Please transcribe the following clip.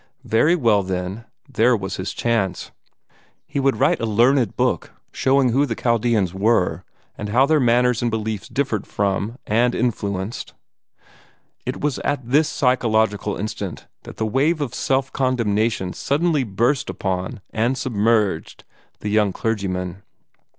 Very well, then, there was his chance. He would write a learned book, showing who the Chaldeans were, and how their manners and beliefs differed from, and influenced It was at this psychological instant that the wave of self condemnation suddenly burst upon and submerged the young clergyman.